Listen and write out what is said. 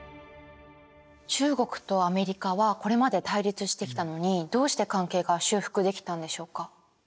中国とアメリカはこれまで対立してきたのにどうして関係が修復できたんでしょうか？